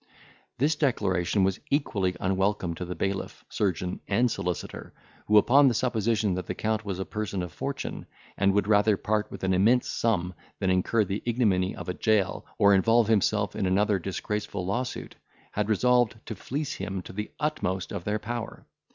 This declaration was equally unwelcome to the bailiff, surgeon, and solicitor, who, upon the supposition that the Count was a person of fortune, and would rather part with an immense sum than incur the ignominy of a jail, or involve himself in another disgraceful lawsuit, had resolved to fleece him to the utmost of their power.